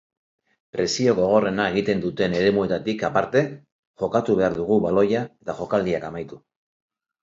Presio gogorrena egiten duten eremuetatik aparte jokatu behar dugu baloia eta jokaldiak amaitu.